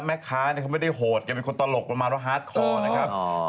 แม่ค้าเนี่ยเขาไม่ได้โหดแกเป็นคนตลกประมาณว่าฮาร์ดคอนะครับ